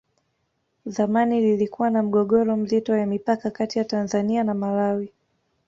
zamani lilikuwa na mgogoro mzito ya mipaka Kati ya tanzania na malawi